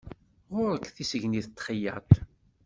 Γur-k tissegnit n txeyyaṭ?